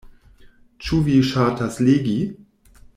Ĉu vi ŝatas legi?